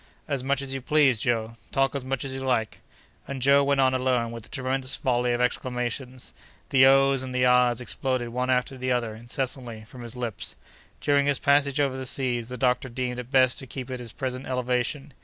"As much as you please, Joe; talk as much as you like!" And Joe went on alone with a tremendous volley of exclamations. The "ohs!" and the "ahs!" exploded one after the other, incessantly, from his lips. During his passage over the sea the doctor deemed it best to keep at his present elevation.